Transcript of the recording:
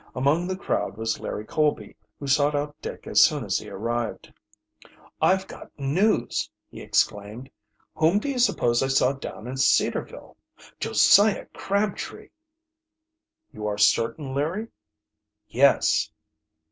Among the crowd was Larry Colby, who sought out Dick as soon as he arrived. "I've got news," he exclaimed. "Whom do you suppose I saw down in Cedarville? Josiah Crabtree!" "You are certain, Larry?" "Yes."